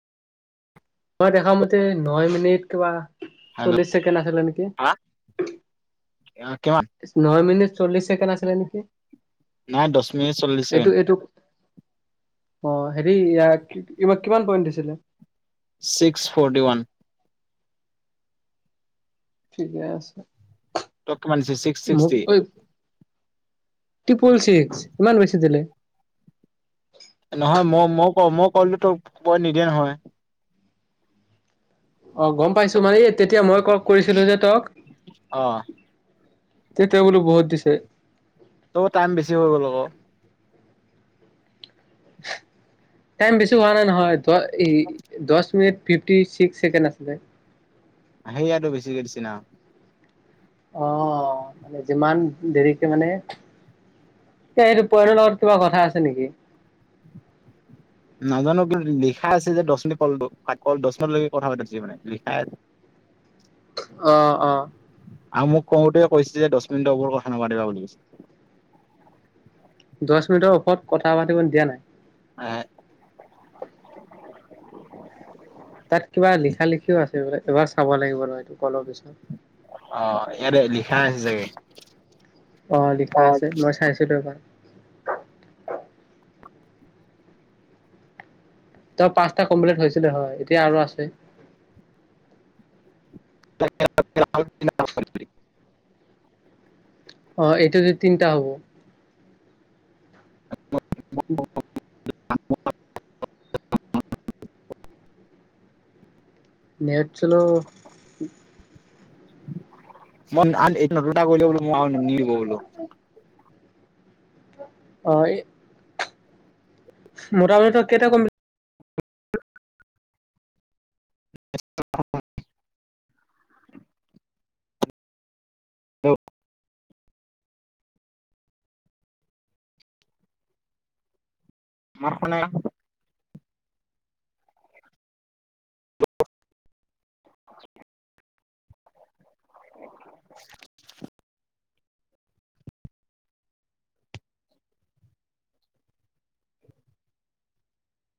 মই দেখামতে ন, মিনিট কিবা চল্লিশ ছেকেণ্ড আছিলে নেকি। কিমানমান? ন মিনিট চল্লিশ ছেকেণ্ড আছিলে নেকি এইটো, এইটো। অ, হেৰি ইয়াক কিমান পইণ্ট দিছিলে। Six forty one. ঠিকে আছে ত কিমান দিছে ছিক্স মোক ছিক্সটি ট্ৰিপল ছিক্স ইমান বেছি দিলে। নহয় মই, মই, ক মই কলো তো মই নিদিয়ে নহয়। অ, গম পাইছো মানে এই তেতিয়া মই ক'ল কৰিছিলো যে তক অ'। তে, তেওঁ বুলো বহুত দিছে। ত, টাইম বেছি হৈ গ'ল আকৌ। টাইম বেছি হোৱা নাই নহয় দ এই দছ মিনিট ফিফটি ছিক্স ছেকেণ্ড আছিলে। সেইয়াতটো বেছি কৰিছা না। অ, মানে যিমান দেৰিকে মানে তেইৰ পৰণৰ কিবা কথা আছে নেকি। নাজানো কিন্তু লিখা আছে যে দছ মিনিট কলব, কল দছ মিনিটলৈকে কথা পাতব দিছে মানে লিখাই আছে। অ', অ'। আৰু মোক কওঁতে কৈছে যে দছ মিনিটৰ ওপৰত কথা নাপাতিবা বুলি কৈছে। দছ মিনিটৰ ওপৰত কথা পাতিব দিয়া নাই। এহে। তাত কিবা লিখা, লিখিও আছে বোলে এবাৰ চাব লাগিব ৰ এইটো কলৰ পিছত। অ, ইয়াতে লিখা আছে চাগে। অ, লিখা আছে, মই চাইছিলো এবাৰ। ত, পাঁচটা কমপ্লিট হৈছিলে হয় এতিয়া আৰু আছে। [inaudible] অ, এইটো যে তিনটা হ'ব। উম। [inaudible] নেট চল' [inaudible] উ। অ, এই মোটামুঠি তই কেইটা কমপি [inaudible] [inaudible] ম, শনে। [inaudible] [inaudible]